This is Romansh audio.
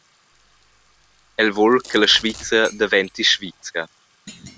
El vul che la Svizra daventi Svizra.